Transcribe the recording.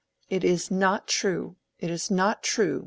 "It is not true—it is not true!"